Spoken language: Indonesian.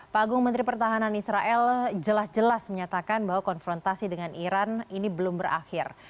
pak agung menteri pertahanan israel jelas jelas menyatakan bahwa konfrontasi dengan iran ini belum berakhir